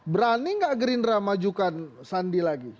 berani nggak gerindra majukan sandi lagi